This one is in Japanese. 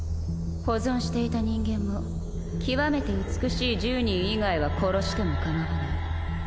保存していた人間も極めて美しい１０人以外は殺しても構わない